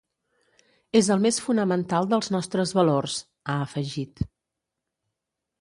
“És el més fonamental dels nostres valors”, ha afegit.